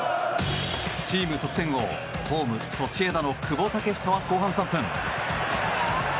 チーム得点王、ホームソシエダの久保建英は後半３分。